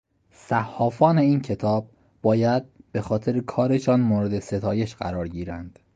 صحافان این کتاب باید بهخاطر کارشان مورد ستایش قرار گیرند.